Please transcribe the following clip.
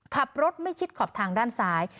ขับรถไม่ชิดขอบทางด้านซ้าย